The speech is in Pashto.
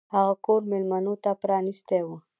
هغه کور میلمنو ته پرانیستی و.